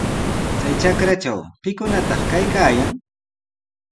Chay trakratraw, ¿pikunataq kaykaayan?